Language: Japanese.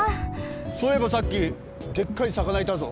そういえばさっきでっかいさかないたぞ。